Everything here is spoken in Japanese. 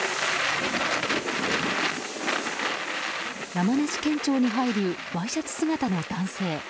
山梨県庁に入るワイシャツ姿の男性。